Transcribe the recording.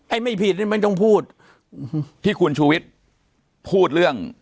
ไม่ผิดนี่ไม่ต้องพูดที่คุณชูวิทย์พูดเรื่อง